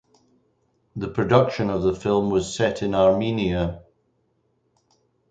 The production of the film was set in Armenia.